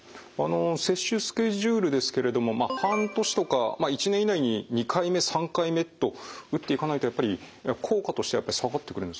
接種スケジュールですけれども半年とか１年以内に２回目３回目と打っていかないとやっぱり効果としては下がってくるんですか？